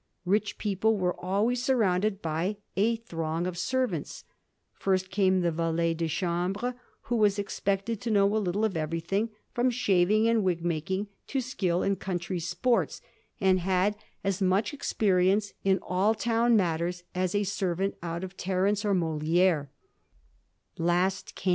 Rich people were always surrounded by a throng of servants. First came the valet de chambre, who was expected to know a little of everything, from shaving and wig makmg to skill in country sports, and had as much Digiti zed by Google 102 A HISTORY OF THE FOUR GEORGES. ch. t.